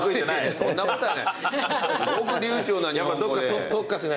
そんなことはない。